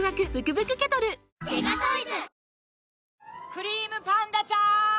クリームパンダちゃん！